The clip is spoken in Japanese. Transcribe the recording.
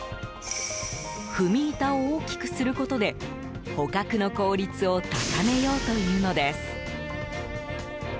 踏み板を大きくすることで捕獲の効率を高めようというのです。